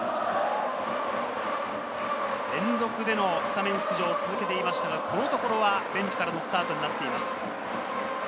連続でのスタメン出場を続けていましたが、このところはベンチからのスタートになっています。